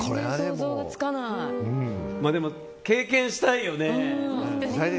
経験したいよね。